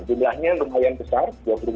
jumlahnya lumayan besar